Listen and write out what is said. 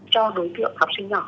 cho đối tượng học sinh nhỏ